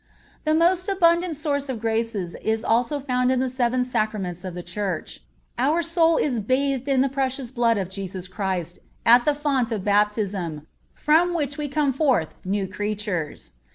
The most abundant source of graces is also found in the seven Sacraments of the Church. Our soul is bathed in the Precious Blood of Jesus Christ at the font of Baptism, from which we come forth "new creatures."